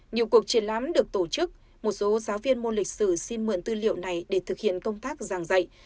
nhiều cuộc triển lãm được tổ chức một số giáo viên môn lịch sử xin mượn tư liệu này để thực hiện công tác giảng dạy